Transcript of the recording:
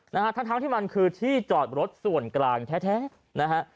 นะฮะทั้งทั้งที่มันคือที่จอดรถส่วนกลางแท้แท้นะฮะ